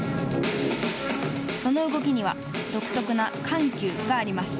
その動きには独特な緩急があります。